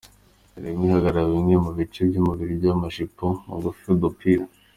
irimo igaragaza bimwe mu bice by’imibiri yabo nk’amajipo magufi, udupira